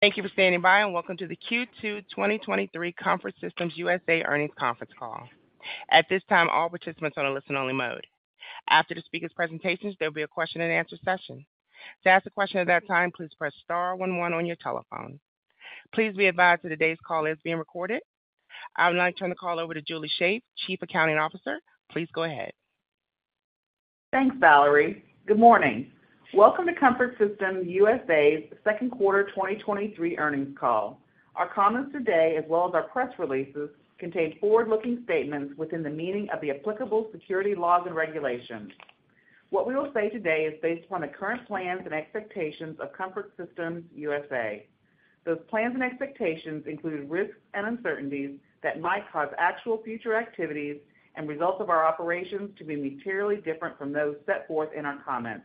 Thank you for standing by, and welcome to the Q2 2023 Comfort Systems USA earnings conference call. At this time, all participants are on a listen-only mode. After the speakers' presentations, there will be a question-and-answer session. To ask a question at that time, please press star one one on your telephone. Please be advised that today's call is being recorded. I would now like to turn the call over to Julie Shaeff, Chief Accounting Officer. Please go ahead. Thanks, Valerie. Good morning. Welcome to Comfort Systems USA's second quarter 2023 earnings call. Our comments today, as well as our press releases, contain forward-looking statements within the meaning of the applicable security laws and regulations. What we will say today is based upon the current plans and expectations of Comfort Systems USA. Those plans and expectations include risks and uncertainties that might cause actual future activities and results of our operations to be materially different from those set forth in our comments.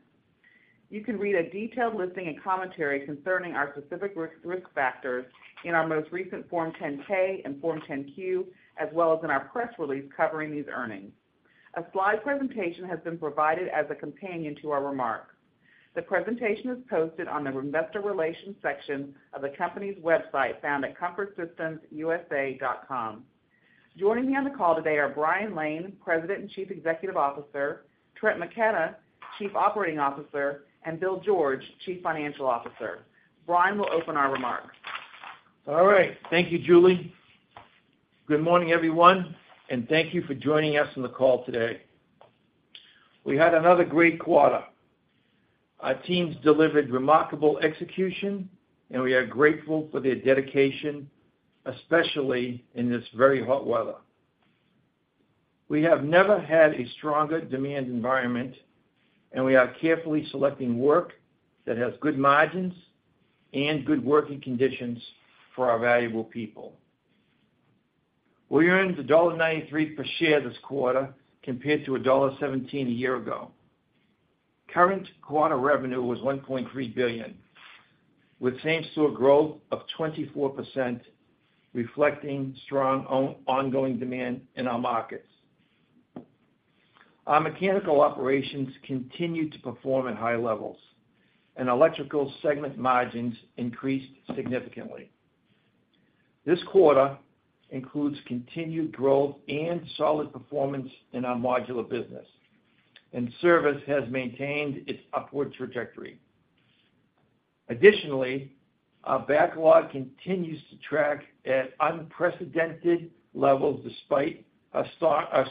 You can read a detailed listing and commentary concerning our specific risk factors in our most recent Form 10-K and Form 10-Q, as well as in our press release covering these earnings. A slide presentation has been provided as a companion to our remarks. The presentation is posted on the investor relations section of the company's website, found at comfortsystemsusa.com. Joining me on the call today are Brian Lane, President and Chief Executive Officer, Trent McKenna, Chief Operating Officer, and Bill George, Chief Financial Officer. Brian will open our remarks. All right. Thank you, Julie. Good morning, everyone, thank you for joining us on the call today. We had another great quarter. Our teams delivered remarkable execution, we are grateful for their dedication, especially in this very hot weather. We have never had a stronger demand environment, we are carefully selecting work that has good margins and good working conditions for our valuable people. We earned $1.93 per share this quarter, compared to $1.17 a year ago. Current quarter revenue was $1.3 billion, with same-store growth of 24%, reflecting strong ongoing demand in our markets. Our mechanical operations continued to perform at high levels, electrical segment margins increased significantly. This quarter includes continued growth and solid performance in our modular business, service has maintained its upward trajectory. Our backlog continues to track at unprecedented levels, despite a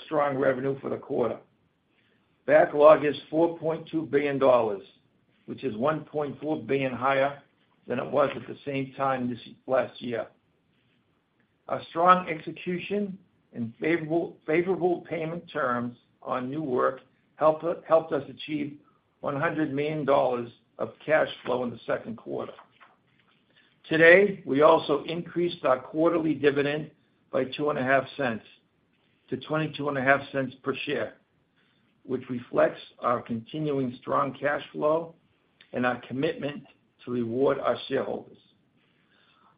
strong revenue for the quarter. Backlog is $4.2 billion, which is $1.4 billion higher than it was at the same time last year. Our strong execution and favorable payment terms on new work helped us achieve $100 million of cash flow in the second quarter. Today, we also increased our quarterly dividend by $0.025 to $0.225 per share, which reflects our continuing strong cash flow and our commitment to reward our shareholders.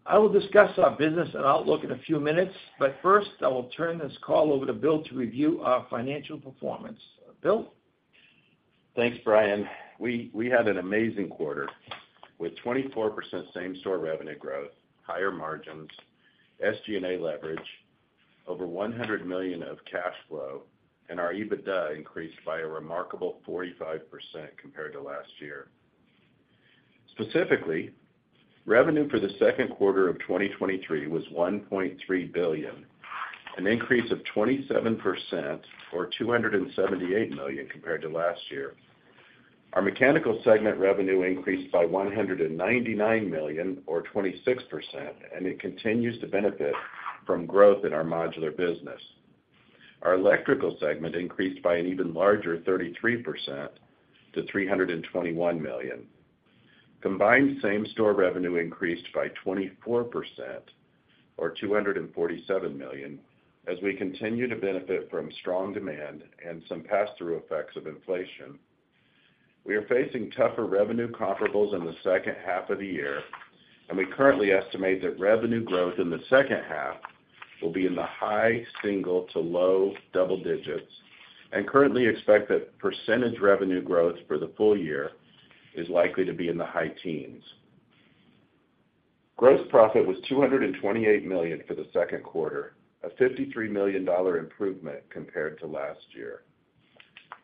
I will discuss our business and outlook in a few minutes, but first, I will turn this call over to Bill to review our financial performance. Bill? Thanks, Brian. We had an amazing quarter with 24% same-store revenue growth, higher margins, SG&A leverage, over $100 million of cash flow, and our EBITDA increased by a remarkable 45% compared to last year. Specifically, revenue for the second quarter of 2023 was $1.3 billion, an increase of 27% or $278 million compared to last year. Our mechanical segment revenue increased by $199 million, or 26%, and it continues to benefit from growth in our modular business. Our electrical segment increased by an even larger 33% to $321 million. Combined same-store revenue increased by 24%, or $247 million, as we continue to benefit from strong demand and some pass-through effects of inflation. We are facing tougher revenue comparables in the second half of the year, and we currently estimate that revenue growth in the second half will be in the high single to low double digits, and currently expect that percentage revenue growth for the full year is likely to be in the high teens. Gross profit was $228 million for the second quarter, a $53 million improvement compared to last year.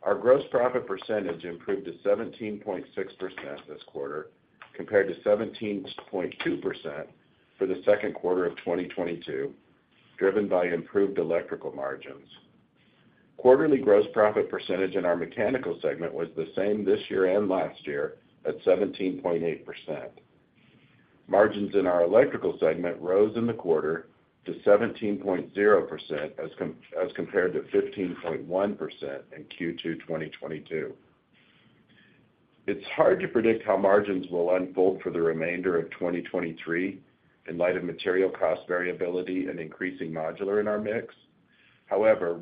Our gross profit percentage improved to 17.6% this quarter, compared to 17.2% for the second quarter of 2022, driven by improved electrical margins. Quarterly gross profit percentage in our mechanical segment was the same this year and last year at 17.8%. Margins in our electrical segment rose in the quarter to 17.0% as compared to 15.1% in Q2 2022. It's hard to predict how margins will unfold for the remainder of 2023 in light of material cost variability and increasing modular in our mix.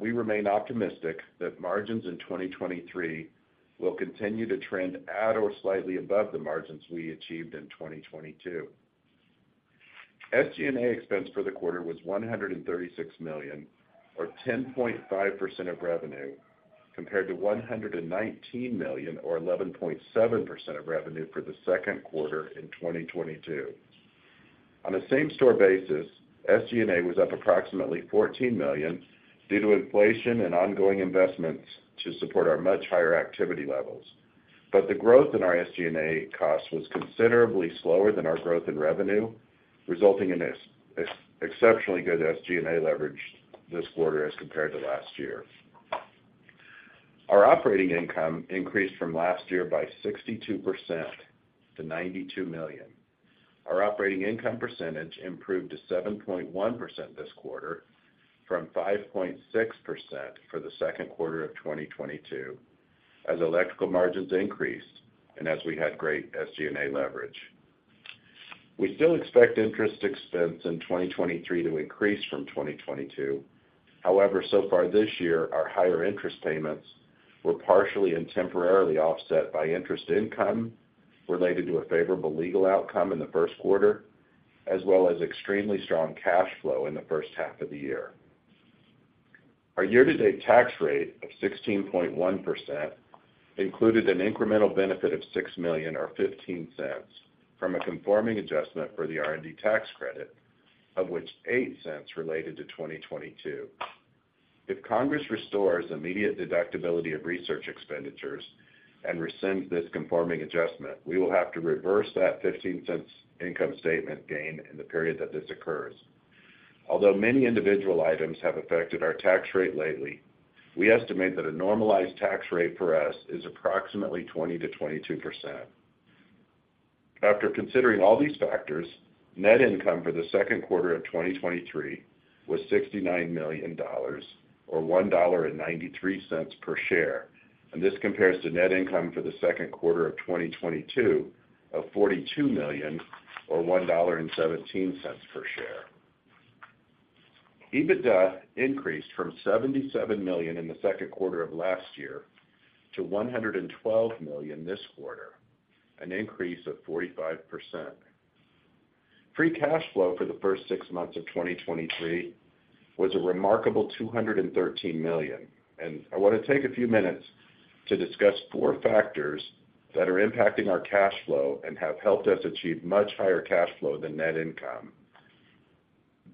We remain optimistic that margins in 2023 will continue to trend at or slightly above the margins we achieved in 2022. SG&A expense for the quarter was $136 million, or 10.5% of revenue, compared to $119 million or 11.7% of revenue for the second quarter in 2022. On a same-store basis, SG&A was up approximately $14 million due to inflation and ongoing investments to support our much higher activity levels. The growth in our SG&A costs was considerably slower than our growth in revenue, resulting in exceptionally good SG&A leverage this quarter as compared to last year. Our operating income increased from last year by 62% to $92 million. Our operating income percentage improved to 7.1% this quarter from 5.6% for the second quarter of 2022, as electrical margins increased and as we had great SG&A leverage. We still expect interest expense in 2023 to increase from 2022. However, so far this year, our higher interest payments were partially and temporarily offset by interest income related to a favorable legal outcome in the first quarter, as well as extremely strong cash flow in the first half of the year. Our year-to-date tax rate of 16.1% included an incremental benefit of $6 million or $0.15 from a conforming adjustment for the R&D tax credit, of which $0.08 related to 2022. If Congress restores immediate deductibility of research expenditures and rescinds this conforming adjustment, we will have to reverse that $0.15 income statement gain in the period that this occurs. Although many individual items have affected our tax rate lately, we estimate that a normalized tax rate for us is approximately 20%-22%. After considering all these factors, net income for the second quarter of 2023 was $69 million or $1.93 per share. This compares to net income for the second quarter of 2022 of $42 million or $1.17 per share. EBITDA increased from $77 million in the second quarter of last year to $112 million this quarter, an increase of 45%. Free cash flow for the first six months of 2023 was a remarkable $213 million, and I want to take a few minutes to discuss four factors that are impacting our cash flow and have helped us achieve much higher cash flow than net income,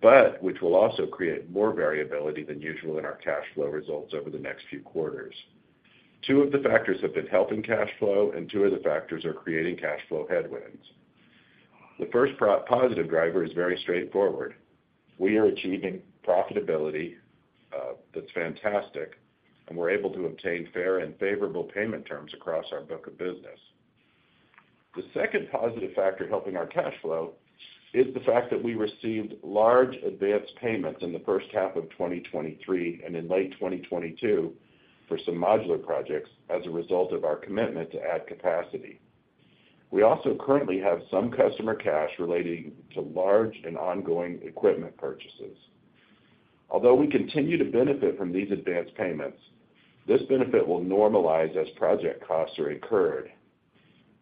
but which will also create more variability than usual in our cash flow results over the next few quarters. Two of the factors have been helping cash flow, and two of the factors are creating cash flow headwinds. The first positive driver is very straightforward. We are achieving profitability, that's fantastic, and we're able to obtain fair and favorable payment terms across our book of business. The second positive factor helping our cash flow is the fact that we received large advanced payments in the first half of 2023 and in late 2022 for some modular projects as a result of our commitment to add capacity. We also currently have some customer cash relating to large and ongoing equipment purchases. Although we continue to benefit from these advanced payments, this benefit will normalize as project costs are incurred.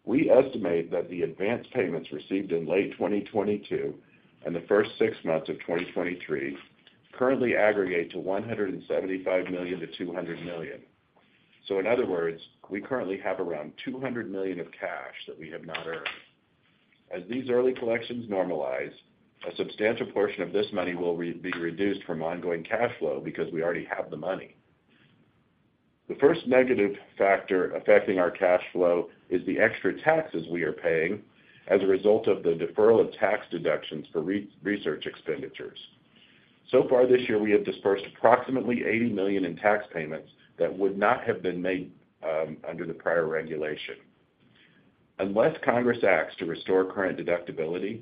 We estimate that the advanced payments received in late 2022 and the first six months of 2023 currently aggregate to $175 million-$200 million. In other words, we currently have around $200 million of cash that we have not earned. As these early collections normalize, a substantial portion of this money will be reduced from ongoing cash flow because we already have the money. The first negative factor affecting our cash flow is the extra taxes we are paying as a result of the deferral of tax deductions for research expenditures. Far this year, we have dispersed approximately $80 million in tax payments that would not have been made under the prior regulation. Unless Congress acts to restore current deductibility,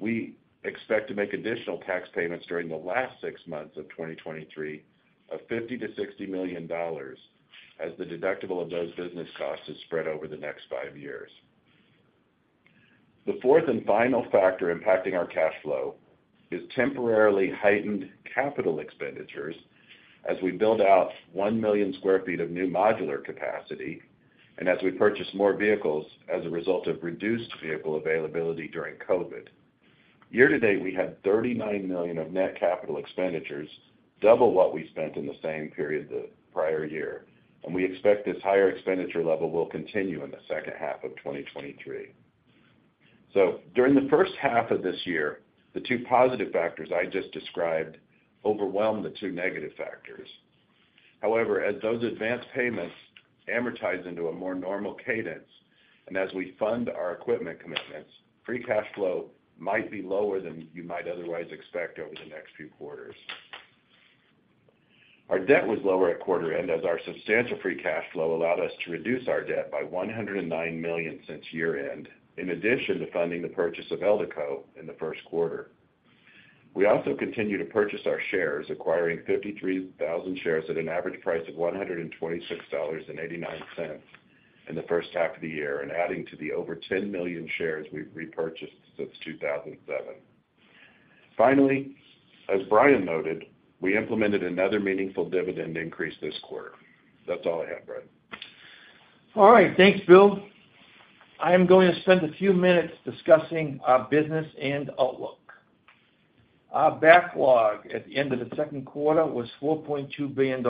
we expect to make additional tax payments during the last six months of 2023 of $50 million-$60 million, as the deductible of those business costs is spread over the next five years. The fourth and final factor impacting our cash flow is temporarily heightened capital expenditures as we build out 1 million sq ft of new modular capacity and as we purchase more vehicles as a result of reduced vehicle availability during COVID. Year to date, we had $39 million of net capital expenditures, double what we spent in the same period the prior year, and we expect this higher expenditure level will continue in the second half of 2023. During the first half of this year, the two positive factors I just described overwhelmed the two negative factors. However, as those advanced payments amortize into a more normal cadence, and as we fund our equipment commitments, free cash flow might be lower than you might otherwise expect over the next few quarters. Our debt was lower at quarter end, as our substantial free cash flow allowed us to reduce our debt by $109 million since year-end, in addition to funding the purchase of Eldeco in the first quarter. We also continued to purchase our shares, acquiring 53,000 shares at an average price of $126.89 in the first half of the year, adding to the over 10 million shares we've repurchased since 2007. Finally, as Brian noted, we implemented another meaningful dividend increase this quarter. That's all I have, Brian. All right, thanks, Bill. I am going to spend a few minutes discussing our business and outlook. Our backlog at the end of the second quarter was $4.2 billion.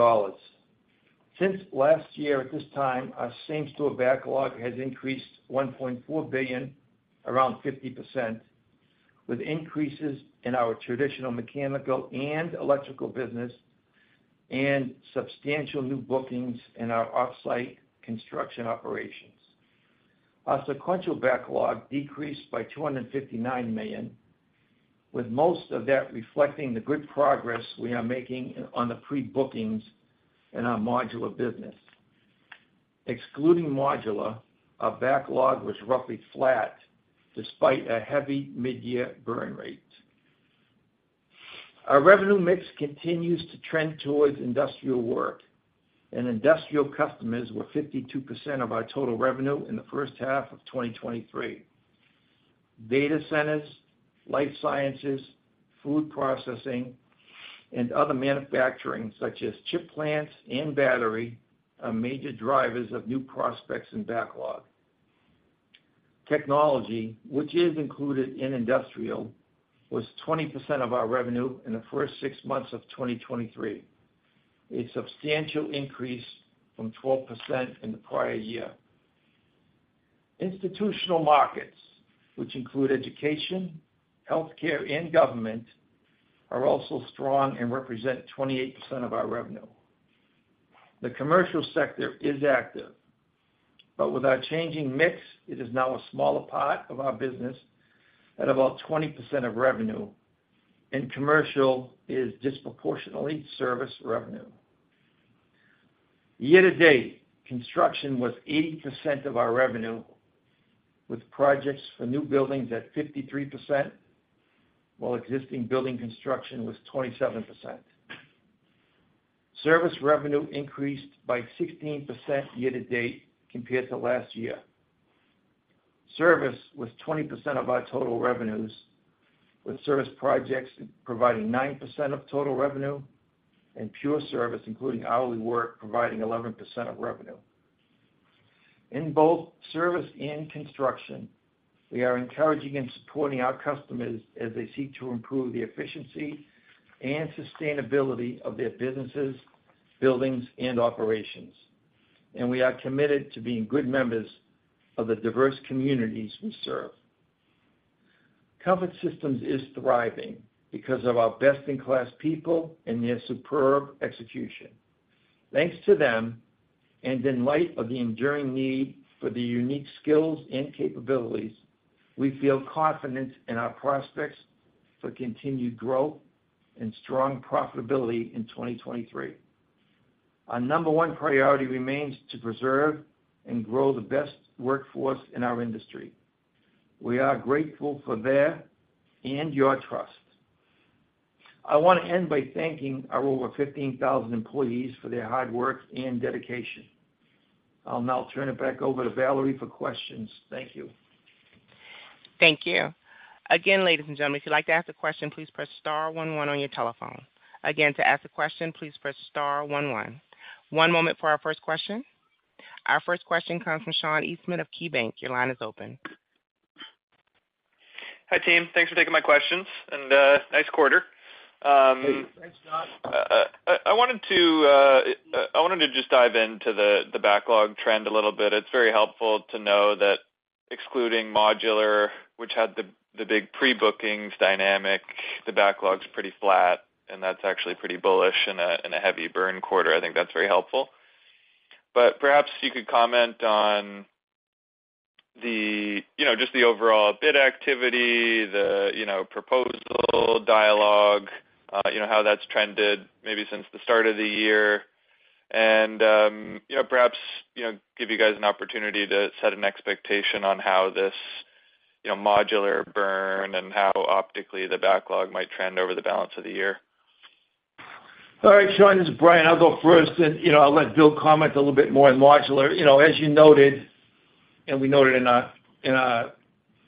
Since last year at this time, our same-store backlog has increased $1.4 billion, around 50%, with increases in our traditional mechanical and electrical business and substantial new bookings in our off-site construction operations. Our sequential backlog decreased by $259 million, with most of that reflecting the good progress we are making on the pre-bookings in our modular business. Excluding modular, our backlog was roughly flat despite a heavy mid-year burn rate. Our revenue mix continues to trend towards industrial work, industrial customers were 52% of our total revenue in the first half of 2023. Data centers, life sciences, food processing, and other manufacturing, such as chip plants and battery, are major drivers of new prospects and backlog. Technology, which is included in industrial, was 20% of our revenue in the first 6 months of 2023, a substantial increase from 12% in the prior year. Institutional markets, which include education, healthcare, and government, are also strong and represent 28% of our revenue. The commercial sector is active, but with our changing mix, it is now a smaller part of our business at about 20% of revenue, and commercial is disproportionately service revenue. Year to date, construction was 80% of our revenue, with projects for new buildings at 53%, while existing building construction was 27%. Service revenue increased by 16% year to date compared to last year. Service was 20% of our total revenues, with service projects providing 9% of total revenue and pure service, including hourly work, providing 11% of revenue. In both service and construction, we are encouraging and supporting our customers as they seek to improve the efficiency and sustainability of their businesses, buildings, and operations, and we are committed to being good members of the diverse communities we serve. Comfort Systems is thriving because of our best-in-class people and their superb execution. Thanks to them, and in light of the enduring need for the unique skills and capabilities, we feel confident in our prospects for continued growth and strong profitability in 2023. Our number one priority remains to preserve and grow the best workforce in our industry. We are grateful for their and your trust. I want to end by thanking our over 15,000 employees for their hard work and dedication. I'll now turn it back over to Valerie for questions. Thank you. Thank you. Ladies and gentlemen, if you'd like to ask a question, please press star one one on your telephone. To ask a question, please press star one one. One moment for our first question. Our first question comes from Sean Eastman of KeyBanc. Your line is open. Hi, team. Thanks for taking my questions, nice quarter. Thanks, Sean. I wanted to just dive into the backlog trend a little bit. It's very helpful to know that excluding modular, which had the, the big pre-bookings dynamic, the backlog's pretty flat, and that's actually pretty bullish in a, in a heavy burn quarter. I think that's very helpful. Perhaps you could comment on the, you know, just the overall bid activity, the, you know, proposal dialogue, you know, how that's trended maybe since the start of the year. You know, perhaps, you know, give you guys an opportunity to set an expectation on how this, you know, modular burn and how optically the backlog might trend over the balance of the year. All right, Sean, this is Brian. I'll go first, and, you know, I'll let Bill comment a little bit more on modular. You know, as you noted, and we noted in our, in our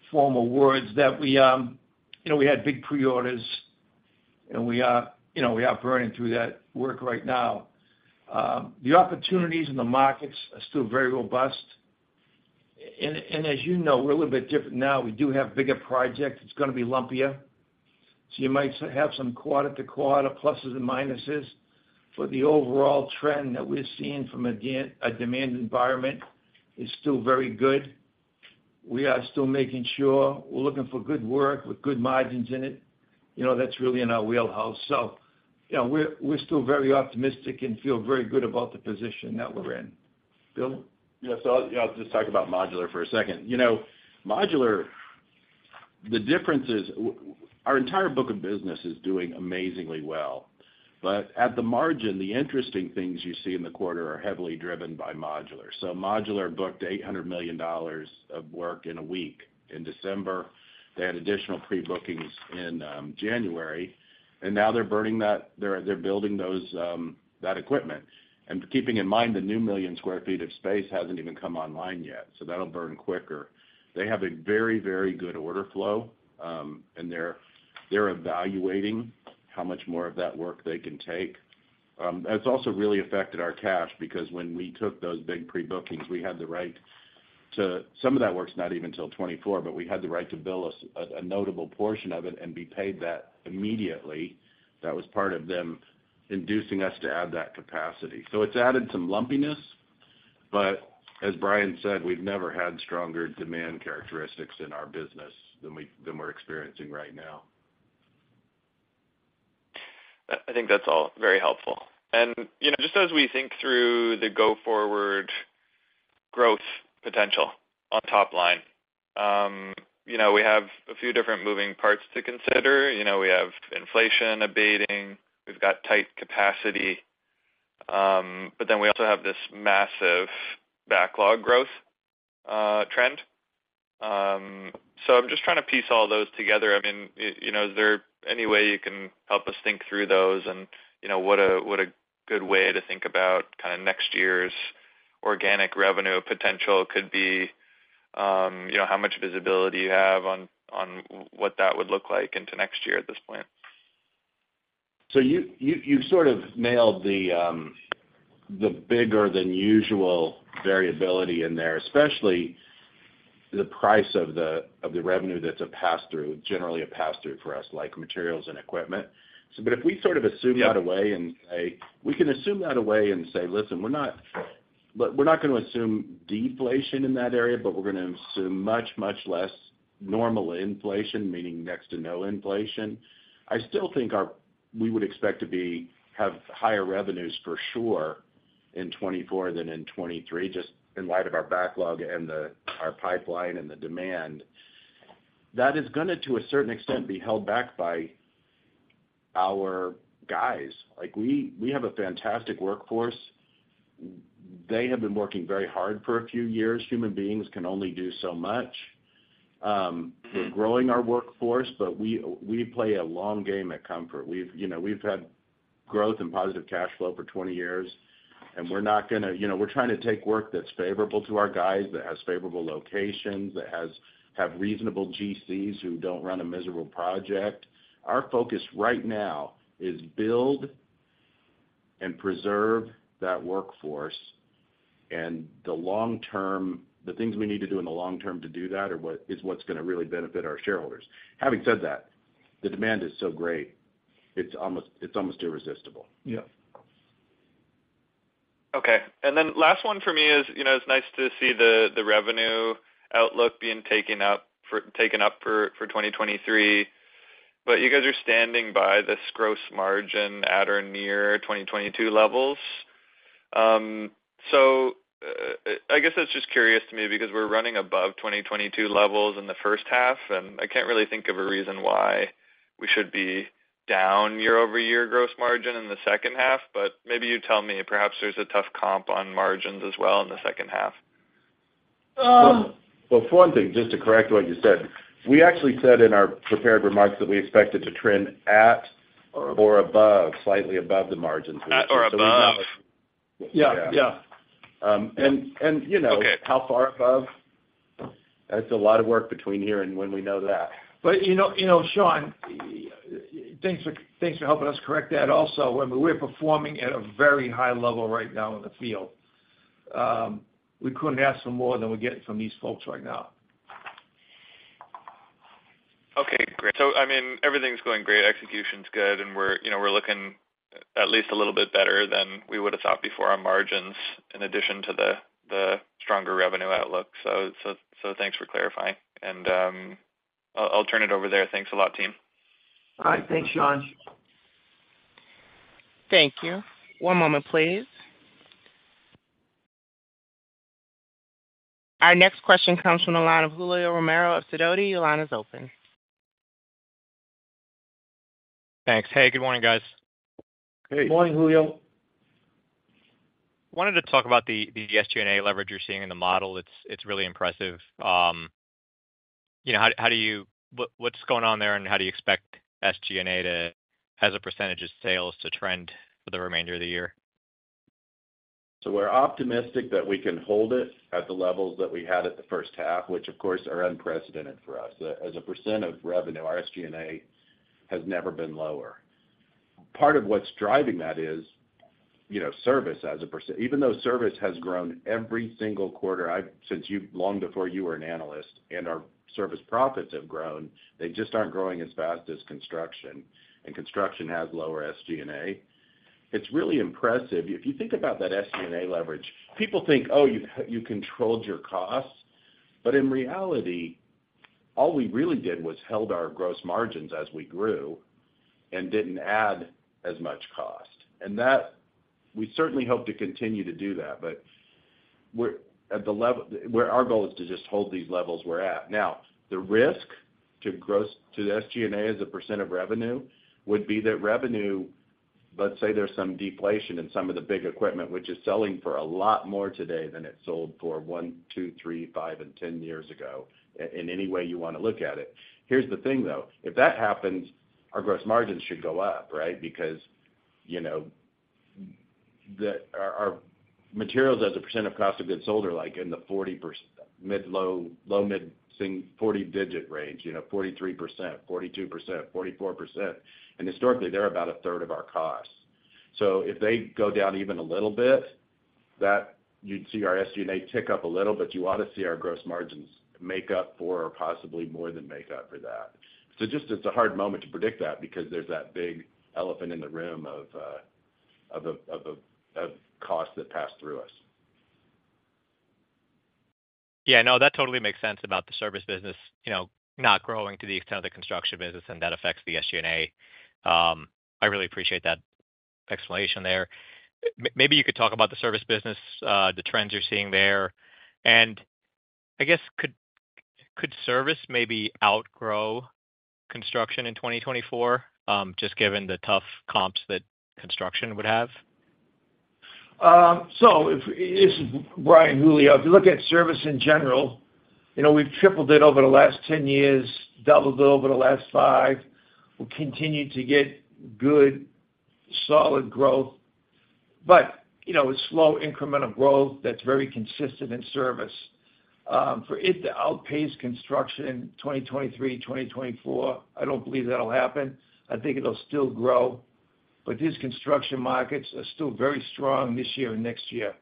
formal words, that we, you know, we had big pre-orders, and we are burning through that work right now. The opportunities in the markets are still very robust. As you know, we're a little bit different now. We do have bigger projects. It's gonna be lumpier. You might have some quarter to quarter pluses and minuses, but the overall trend that we're seeing from a demand environment is still very good. We are still making sure we're looking for good work with good margins in it. You know, that's really in our wheelhouse. You know, we're still very optimistic and feel very good about the position that we're in. Bill? Yeah, I'll just talk about modular for a second. You know, modular, the difference is our entire book of business is doing amazingly well, but at the margin, the interesting things you see in the quarter are heavily driven by modular. Modular booked $800 million of work in a week in December. They had additional pre-bookings in January, and now they're building those that equipment. Keeping in mind, the new million square feet of space hasn't even come online yet, so that'll burn quicker. They have a very, very good order flow, and they're evaluating how much more of that work they can take. That's also really affected our cash, because when we took those big pre-bookings, we had the right to some of that work's not even till 2024, but we had the right to bill us a, a notable portion of it and be paid that immediately. That was part of them inducing us to add that capacity. It's added some lumpiness, but as Brian said, we've never had stronger demand characteristics in our business than we're experiencing right now. I think that's all very helpful. You know, just as we think through the go-forward growth potential on top line, you know, we have a few different moving parts to consider. You know, we have inflation abating, we've got tight capacity, we also have this massive backlog growth trend. I'm just trying to piece all those together. I mean, you know, is there any way you can help us think through those? You know, what a, what a good way to think about kind of next year's organic revenue potential could be, you know, how much visibility you have on what that would look like into next year at this point? You, you sort of nailed the, the bigger than usual variability in there, especially the price of the, of the revenue that's a pass-through, generally a pass-through for us, like materials and equipment. If we sort of assume that away and say, we can assume that away and say, listen, we're not going to assume deflation in that area, but we're gonna assume much, much less normal inflation, meaning next to no inflation. I still think we would expect to have higher revenues for sure in 2024 than in 2023, just in light of our backlog and the, our pipeline and the demand. That is gonna, to a certain extent, be held back by our guys. Like, we have a fantastic workforce. They have been working very hard for a few years. Human beings can only do so much. We're growing our workforce, but we play a long game at Comfort. We've, you know, we've had growth and positive cash flow for 20 years. You know, we're trying to take work that's favorable to our guys, that has favorable locations, that have reasonable GCs who don't run a miserable project. Our focus right now is build and preserve that workforce, and the long term, the things we need to do in the long term to do that are what is what's gonna really benefit our shareholders. Having said that, the demand is so great, it's almost irresistible. Yeah. Okay. Last one for me is, you know, it's nice to see the, the revenue outlook being taken up for 2023, You guys are standing by this gross margin at or near 2022 levels. I guess it's just curious to me because we're running above 2022 levels in the first half, I can't really think of a reason why we should be down year-over-year gross margin in the second half, Maybe you tell me, perhaps there's a tough comp on margins as well in the second half. Well, for one thing, just to correct what you said, we actually said in our prepared remarks that we expected to trend at or above, slightly above the margins. At or above. Yeah, yeah. Yeah. Um, and, and, you know- Okay how far above? That's a lot of work between here and when we know that. You know, you know, Sean, thanks for, thanks for helping us correct that also. I mean, we're performing at a very high level right now in the field. We couldn't ask for more than we're getting from these folks right now. Okay, great. I mean, everything's going great, execution's good, and we're, you know, we're looking at least a little bit better than we would've thought before our margins, in addition to the stronger revenue outlook. Thanks for clarifying, and I'll turn it over there. Thanks a lot, team. All right. Thanks, Sean. Thank you. One moment, please. Our next question comes from the line of Julio Romero of Sidoti. Your line is open. Thanks. Hey, good morning, guys. Hey, good morning, Julio. Wanted to talk about the SG&A leverage you're seeing in the model. It's really impressive. you know, how do you what's going on there? How do you expect SG&A to, as a % of sales, to trend for the remainder of the year? We're optimistic that we can hold it at the levels that we had at the first half, which of course, are unprecedented for us. As a % of revenue, our SG&A has never been lower. Part of what's driving that is, you know, service as a %. Even though service has grown every single quarter, I've since you long before you were an analyst, and our service profits have grown, they just aren't growing as fast as construction, and construction has lower SG&A. It's really impressive. If you think about that SG&A leverage, people think, "Oh, you controlled your costs." In reality, all we really did was held our gross margins as we grew and didn't add as much cost. That, we certainly hope to continue to do that, but we're at the level where our goal is to just hold these levels we're at. Now, the risk to gross, to the SG&A as a % of revenue, would be that revenue, let's say there's some deflation in some of the big equipment, which is selling for a lot more today than it sold for one, two, three, five, and 10 years ago, in any way you want to look at it. Here's the thing, though: If that happens, our gross margins should go up, right? Because, you know that our materials as a percent of cost of goods sold are like in the 40%, mid low, low mid sing, 40 digit range, you know, 43%, 42%, 44%. Historically, they're about a third of our costs. If they go down even a little bit, that you'd see our SG&A tick up a little, but you ought to see our gross margins make up for or possibly more than make up for that. Just, it's a hard moment to predict that because there's that big elephant in the room of costs that pass through us. Yeah, no, that totally makes sense about the service business, you know, not growing to the extent of the construction business, and that affects the SG&A. I really appreciate that explanation there. maybe you could talk about the service business, the trends you're seeing there. I guess, could service maybe outgrow construction in 2024, just given the tough comps that construction would have? This is Brian, Julio. If you look at service in general, you know, we've tripled it over the last 10 years, doubled it over the last five. We'll continue to get good, solid growth, you know, a slow incremental growth that's very consistent in service. For it to outpace construction in 2023, 2024, I don't believe that'll happen. I think it'll still grow. These construction markets are still very strong this year and next year,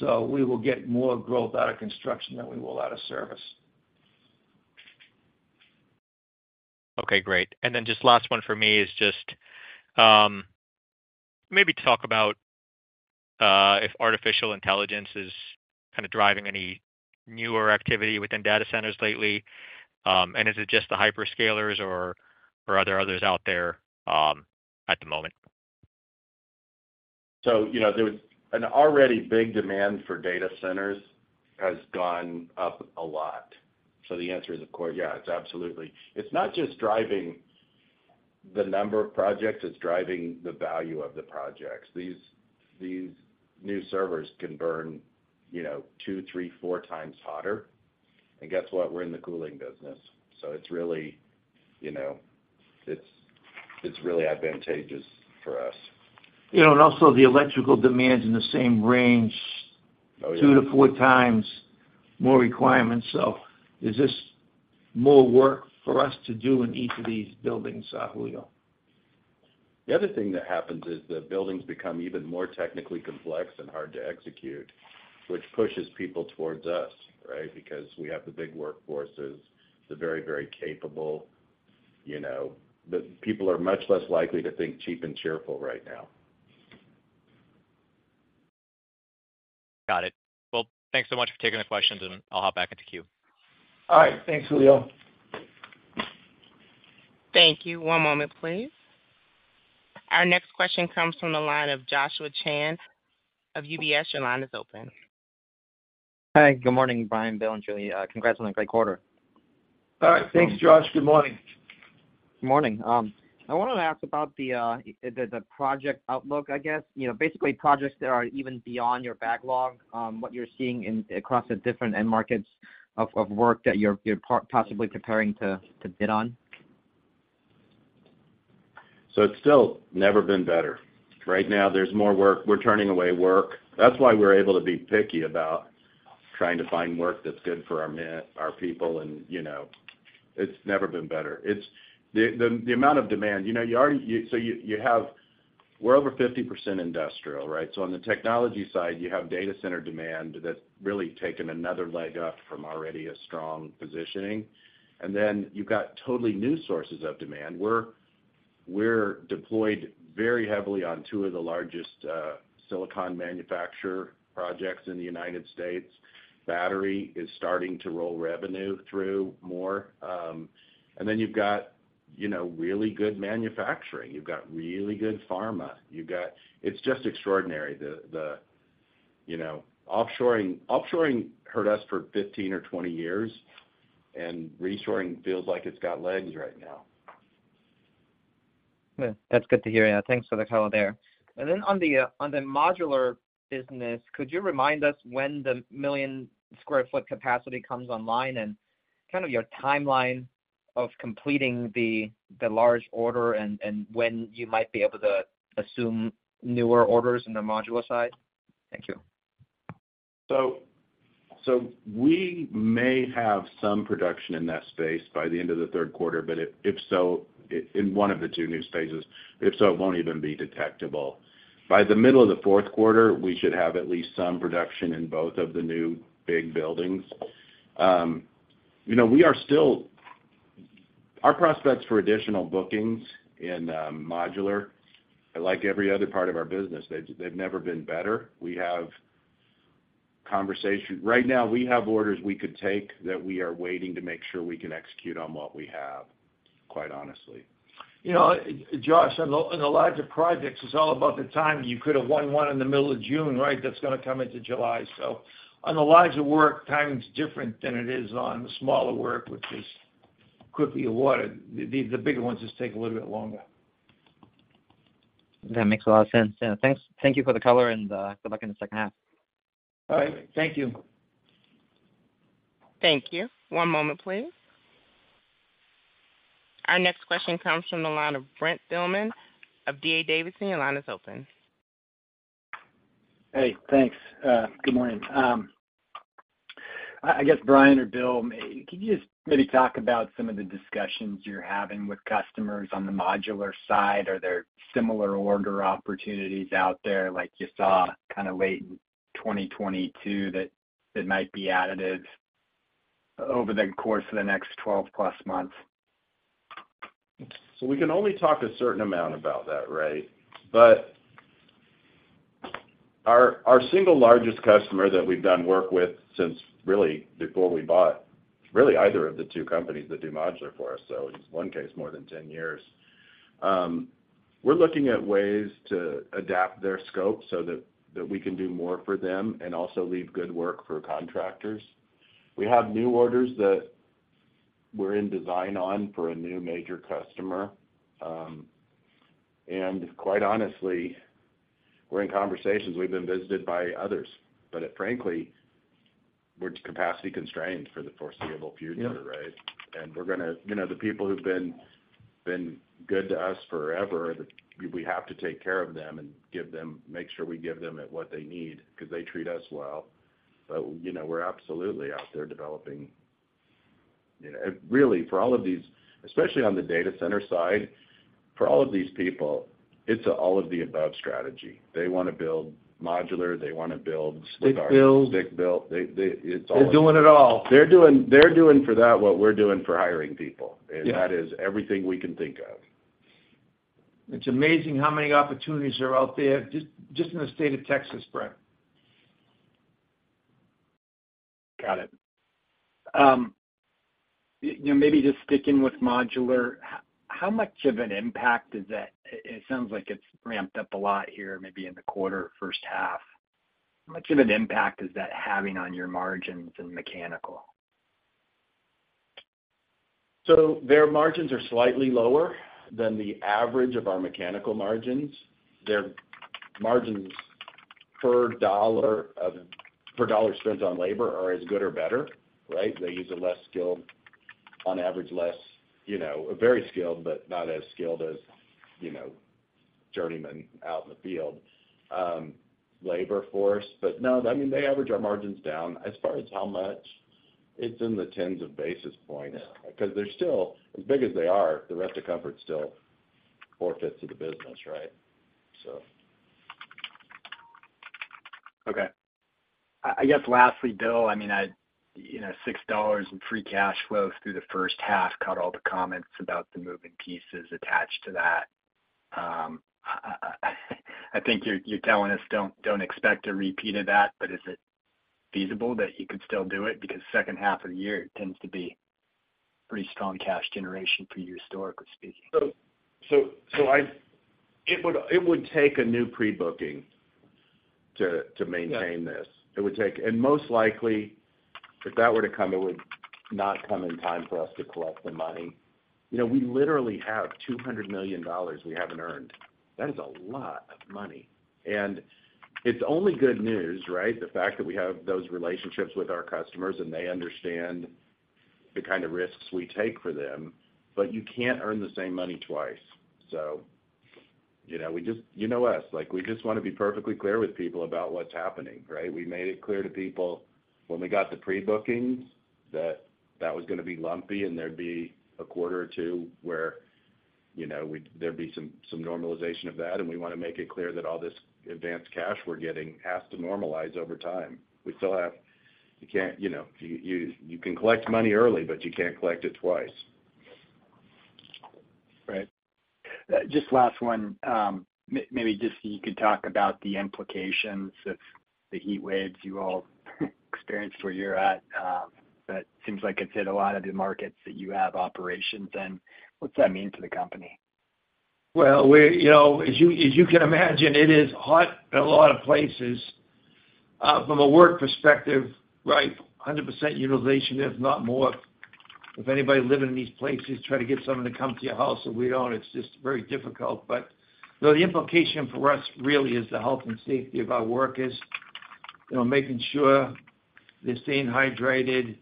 we will get more growth out of construction than we will out of service. Okay, great. Just last one for me is just, maybe talk about if artificial intelligence is kind of driving any newer activity within data centers lately. Is it just the hyperscalers or are there others out there at the moment? You know, there was an already big demand for data centers has gone up a lot. The answer is, of course, yeah, it's absolutely. It's not just driving the number of projects, it's driving the value of the projects. These new servers can burn, you know, two, three, four times hotter. Guess what? We're in the cooling business. It's really, you know, it's really advantageous for us. You know, and also the electrical demands in the same range... Oh, yeah. two to four times more requirements. Is this more work for us to do in each of these buildings, Julio? The other thing that happens is the buildings become even more technically complex and hard to execute, which pushes people towards us, right? We have the big workforces, the very, very capable, you know. The people are much less likely to think cheap and cheerful right now. Got it. Well, thanks so much for taking the questions, and I'll hop back into queue. All right. Thanks, Julio. Thank you. One moment, please. Our next question comes from the line of Joshua Chan of UBS. Your line is open. Hi, good morning, Brian, Bill, and Julie. Congratulations, great quarter. All right, thanks, Josh. Good morning. Good morning. I wanted to ask about the project outlook, I guess. You know, basically, projects that are even beyond your backlog, what you're seeing in, across the different end markets of work that you're possibly preparing to bid on? It's still never been better. Right now, there's more work. We're turning away work. That's why we're able to be picky about trying to find work that's good for our people and, you know, it's never been better. It's the amount of demand, you know, you have. We're over 50% industrial, right? On the technology side, you have data center demand that's really taken another leg up from already a strong positioning. You've got totally new sources of demand. We're deployed very heavily on 2 of the largest silicon manufacturer projects in the United States. Battery is starting to roll revenue through more. You've got, you know, really good manufacturing. You've got really good pharma. You've got. It's just extraordinary. The, you know, offshoring hurt us for 15 or 20 years, and reshoring feels like it's got legs right now. Yeah. That's good to hear. Yeah, thanks for the color there. Then on the, on the modular business, could you remind us when the million sq ft capacity comes online and kind of your timeline of completing the, the large order and, and when you might be able to assume newer orders in the modular side? Thank you. We may have some production in that space by the end of the third quarter, but if so, in one of the two new spaces, if so, it won't even be detectable. By the middle of the fourth quarter, we should have at least some production in both of the new big buildings. You know, we are still. Our prospects for additional bookings in modular, like every other part of our business, they've never been better. We have conversation. Right now, we have orders we could take that we are waiting to make sure we can execute on what we have, quite honestly. You know, Josh, on the, on the larger projects, it's all about the time. You could have won one in the middle of June, right? That's gonna come into July. On the larger work, timing's different than it is on the smaller work, which is quickly awarded. The bigger ones just take a little bit longer. That makes a lot of sense. Yeah, thanks. Thank you for the color and good luck in the second half. All right. Thank you. Thank you. One moment, please. Our next question comes from the line of Brent Thielman of D.A. Davidson. Your line is open. Hey, thanks. Good morning. I guess, Brian or Bill, could you just maybe talk about some of the discussions you're having with customers on the modular side? Are there similar order opportunities out there like you saw kind of late in 2022, that might be additive over the course of the next 12+ months? We can only talk a certain amount about that, right? Our single largest customer that we've done work with since really before we bought, really either of the two companies that do modular for us, so in one case, more than 10 years. We're looking at ways to adapt their scope so that we can do more for them and also leave good work for contractors. We have new orders that we're in design on for a new major customer. Quite honestly, we're in conversations. We've been visited by others, but frankly, we're capacity constrained for the foreseeable future, right? Yeah. We're gonna. You know, the people who've been good to us forever, we have to take care of them and make sure we give them at what they need, 'cause they treat us well. You know, we're absolutely out there developing, you know, really, for all of these, especially on the data center side, for all of these people, it's a all-of-the-above strategy. They wanna build modular, they wanna build. Stick built. Stick built. They. They're doing it all. They're doing for that what we're doing for hiring people. Yeah. That is everything we can think of. It's amazing how many opportunities are out there just in the state of Texas, Brent. Got it. you know, maybe just sticking with modular, how much of an impact is that? It sounds like it's ramped up a lot here, maybe in the quarter, first half. How much of an impact is that having on your margins in mechanical? Their margins are slightly lower than the average of our mechanical margins. Their margins per dollar spent on labor are as good or better, right? They use a less skilled, on average, less, you know, very skilled, but not as skilled as, you know, journeymen out in the field, labor force. No, I mean, they average our margins down. As far as how much, it's in the tens of basis points. Yeah. 'Cause they're still, as big as they are, the rest of Comfort's still four-fifths of the business, right? So Okay. I guess lastly, Bill, I mean, $6 in free cash flow through the first half, caught all the comments about the moving pieces attached to that. I think you're telling us, "Don't expect a repeat of that," is it feasible that you could still do it? Second half of the year tends to be pretty strong cash generation for you, historically speaking. It would take a new pre-booking to maintain this. Yeah. It would take. Most likely, if that were to come, it would not come in time for us to collect the money. You know, we literally have $200 million we haven't earned. That is a lot of money, and it's only good news, right? The fact that we have those relationships with our customers, and they understand the kind of risks we take for them, but you can't earn the same money twice. You know us, like, we just wanna be perfectly clear with people about what's happening, right? We made it clear to people when we got the pre-bookings that that was gonna be lumpy, and there'd be a quarter or two where, you know, there'd be some normalization of that, and we wanna make it clear that all this advanced cash we're getting has to normalize over time. You can't, you know, you can collect money early. You can't collect it twice. Right. just last one. maybe just so you could talk about the implications of the heat waves you all experienced where you're at. Seems like it's hit a lot of the markets that you have operations in. What's that mean to the company? You know, as you can imagine, it is hot in a lot of places from a work perspective, right? 100% utilization, if not more. If anybody living in these places, try to get someone to come to your house. It's just very difficult. You know, the implication for us really is the health and safety of our workers. You know, making sure they're staying hydrated,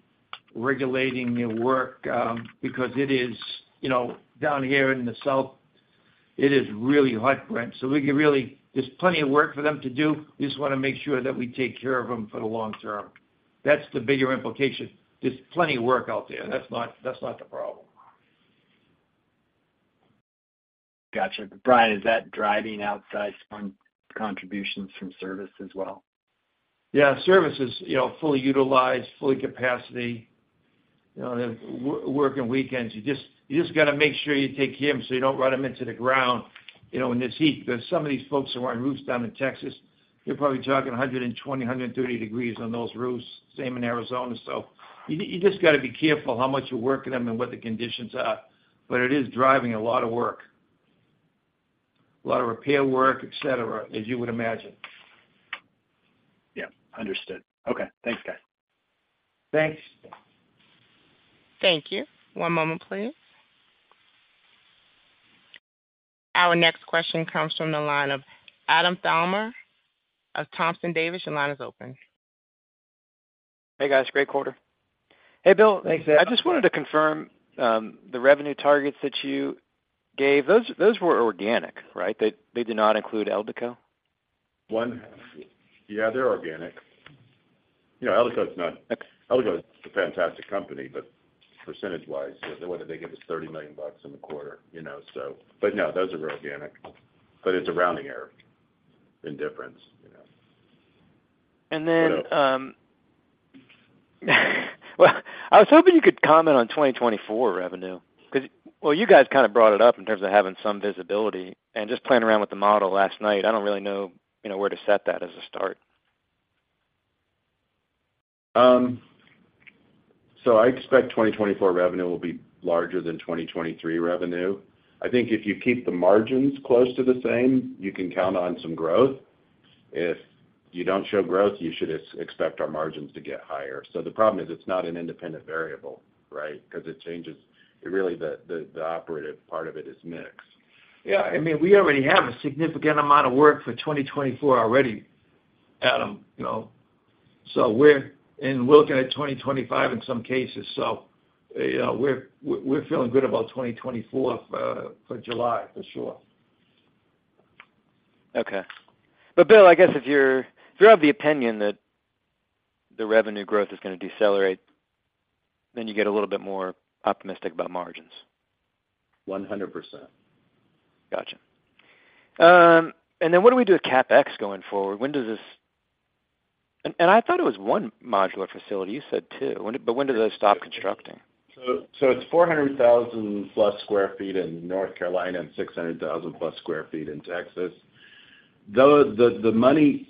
regulating their work, because it is, you know, down here in the south, it is really hot, Brent. There's plenty of work for them to do. We just wanna make sure that we take care of them for the long term. That's the bigger implication. There's plenty of work out there. That's not the problem. Gotcha. Brian, is that driving outside some contributions from service as well? Service is, you know, fully utilized, fully capacity, you know, they're working weekends. You just gotta make sure you take care of them, so you don't run them into the ground. You know, in this heat, there's some of these folks who are on roofs down in Texas, you're probably talking 120, 130 degrees on those roofs, same in Arizona. You just gotta be careful how much you're working them and what the conditions are. It is driving a lot of work, a lot of repair work, et cetera, as you would imagine. Yeah, understood. Okay, thanks, guys. Thanks. Thank you. One moment, please.... Our next question comes from the line of Adam Thalhimer of Thompson Davis. Your line is open. Hey, guys, great quarter. Hey, Bill. Thanks. I just wanted to confirm, the revenue targets that you gave, those were organic, right? They did not include Eldeco? One, yeah, they're organic. You know, Eldeco is a fantastic company, but percentage-wise, what do they give us? $30 million in the quarter, you know. No, those are organic, but it's a rounding error in difference, you know. Well, I was hoping you could comment on 2024 revenue, cause, well, you guys kind of brought it up in terms of having some visibility and just playing around with the model last night. I don't really know, you know, where to set that as a start. I expect 2024 revenue will be larger than 2023 revenue. I think if you keep the margins close to the same, you can count on some growth. If you don't show growth, you should expect our margins to get higher. The problem is, it's not an independent variable, right? Because it changes, really, the, the, the operative part of it is mix. Yeah, I mean, we already have a significant amount of work for 2024 already, Adam, you know, so we're, and we're looking at 2025 in some cases. You know, we're feeling good about 2024 for July, for sure. Okay. Bill, I guess if you're, if you're of the opinion that the revenue growth is going to decelerate, then you get a little bit more optimistic about margins. 100%. Gotcha. Then what do we do with CapEx going forward? I thought it was one modular facility. You said two. When do those stop constructing? It's 400,000+ sq ft in North Carolina and 600,000+ sq ft in Texas. The money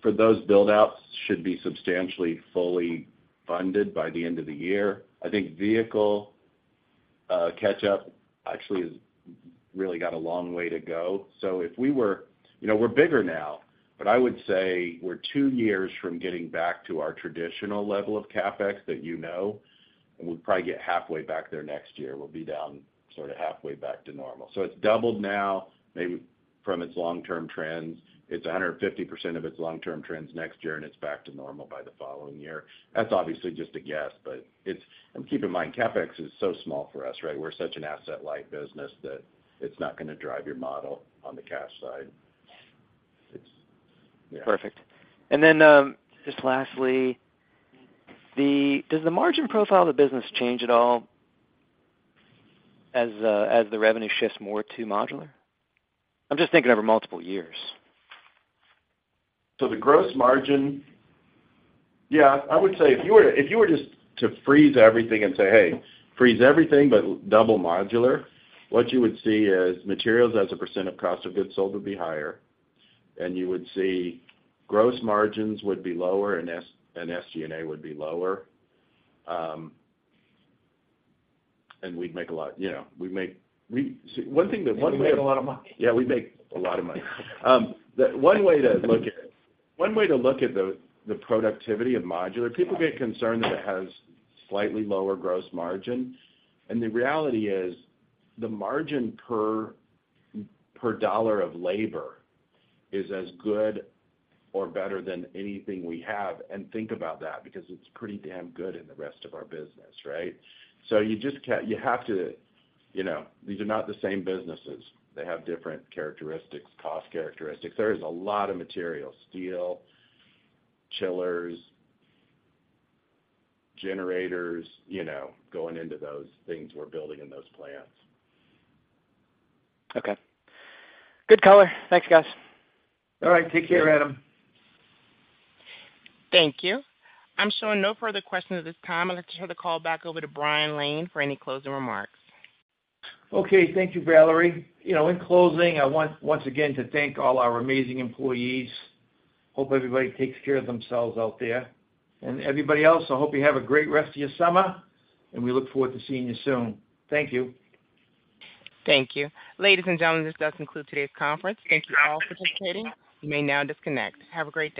for those buildouts should be substantially fully funded by the end of the year. I think vehicle catch-up actually has really got a long way to go. You know, we're bigger now, but I would say we're two years from getting back to our traditional level of CapEx that you know, and we'll probably get halfway back there next year. We'll be down sort of halfway back to normal. It's doubled now, maybe from its long-term trends. It's 150% of its long-term trends next year, and it's back to normal by the following year. That's obviously just a guess, but it's and keep in mind, CapEx is so small for us, right? We're such an asset-light business that it's not going to drive your model on the cash side. It's, yeah. Perfect. Just lastly, does the margin profile of the business change at all as the revenue shifts more to modular? I'm just thinking over multiple years. The gross margin... Yeah, I would say if you were, if you were just to freeze everything and say, "Hey, freeze everything but double modular," what you would see is materials as a percent of cost of goods sold would be higher, and you would see gross margins would be lower, and SG&A would be lower. We'd make a lot, you know. See, one thing that... We'd make a lot of money. Yeah, we'd make a lot of money. One way to look at the productivity of modular, people get concerned that it has slightly lower gross margin. The reality is the margin per dollar of labor is as good or better than anything we have. Think about that, because it's pretty damn good in the rest of our business, right? You just can't. You have to, you know, these are not the same businesses. They have different characteristics, cost characteristics. There is a lot of material, steel, chillers, generators, you know, going into those things we're building in those plants. Okay. Good color. Thanks, guys. All right. Take care, Adam. Thank you. I'm showing no further questions at this time. I'd like to turn the call back over to Brian Lane for any closing remarks. Okay, thank you, Valerie. You know, in closing, I want once again to thank all our amazing employees. Hope everybody takes care of themselves out there. Everybody else, I hope you have a great rest of your summer, and we look forward to seeing you soon. Thank you. Thank you. Ladies and gentlemen, this does conclude today's conference. Thank you all for participating. You may now disconnect. Have a great day.